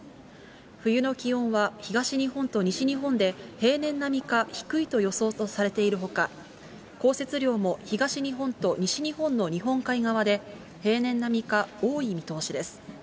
冬の気温は、東日本と西日本で平年並みか低いと予想されているほか、降雪量も東日本と西日本の日本海側で、平年並みか多い見通しです。